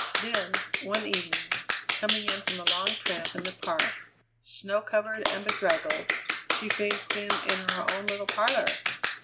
Then, one evening, coming in from a long tramp in the park, snow covered and bedraggled, she faced him in her own little parlour!